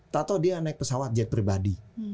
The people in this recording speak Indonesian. tau tau dia naik pesawat jet pribadi